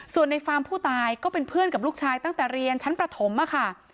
ส่วนในฟาร์มผู้ตายก็เป็นเพื่อนกับลูกชายตั้งแต่เรียนชั้นประถมค่ะ